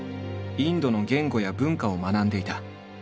インドの言語や文化を学んでいた。